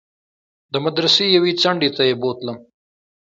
د مدرسې يوې څنډې ته يې بوتلم.